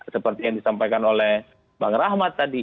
seperti yang disampaikan oleh bang rahmat tadi